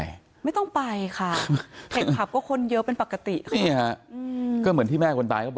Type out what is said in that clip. อายุ๑๐ปีนะฮะเขาบอกว่าเขาก็เห็นถูกยิงนะครับ